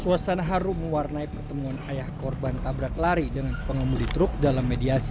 suasana harum mewarnai pertemuan ayah korban tabrak lari dengan pengemudi truk dalam mediasi